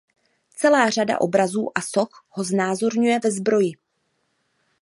Celá řada obrazů a soch ho znázorňuje ve zbroji.